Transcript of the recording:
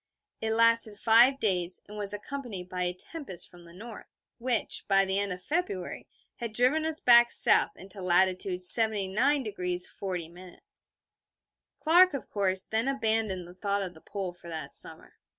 It lasted five days, and was accompanied by a tempest from the north, which, by the end of February, had driven us back south into latitude 79° 40'. Clark, of course, then abandoned the thought of the Pole for that summer.